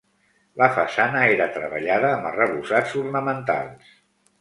La façana era treballada amb arrebossats ornamentals.